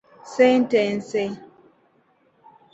Sentence